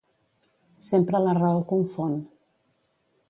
Sempre la raó confon.